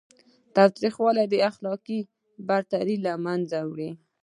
تاوتریخوالی اخلاقي برتري له منځه وړي.